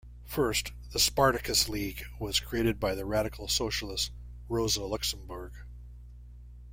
First, the Spartacus League was created by the radical socialist Rosa Luxemburg.